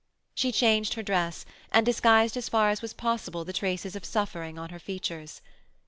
She changed her dress, and disguised as far as was possible the traces of suffering on her features.